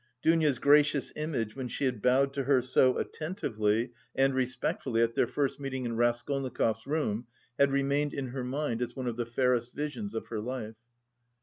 Dounia's gracious image when she had bowed to her so attentively and respectfully at their first meeting in Raskolnikov's room had remained in her mind as one of the fairest visions of her life.